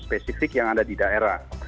spesifik yang ada di daerah